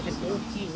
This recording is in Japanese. ・大きい。